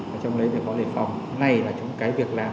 ở trong đấy thì có lệ phòng ngay trong cái việc làm